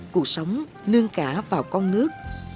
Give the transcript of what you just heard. cuộc sống nương cả vào con nước